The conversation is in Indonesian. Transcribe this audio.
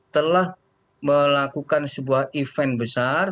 telah melakukan sebuah event besar